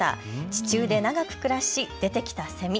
地中で長く暮らし出てきたセミ。